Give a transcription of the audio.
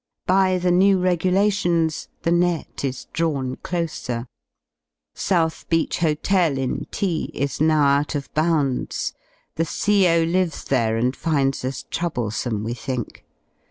By the new regulations the net is drawn closer. South 26 Beach Hotel in T is now out of bounds. The CO. lives there and finds us troublesome, we think.